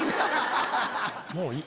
もういい。